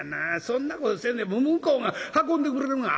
そんなことせんでも向こうが運んでくれるがな」。